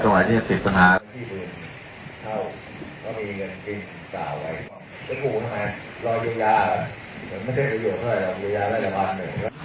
ตรงไหนที่ที่ติดสัญลักษณ์